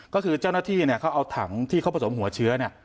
ก็คือเจ้าหน้าที่เขาเอาถังที่เขาผสมหัวเชื้อเนี่ย